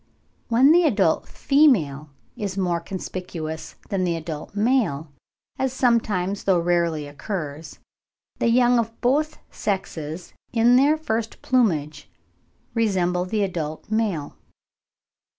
When the adult female is more conspicuous than the adult male, as sometimes though rarely occurs, the young of both sexes in their first plumage resemble the adult male.